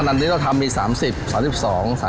ขนาดนี้เราทำมี๓๐๓๒๓๔มี๓ไซส์